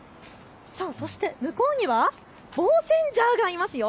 そして向こうには防センジャーがいますよ。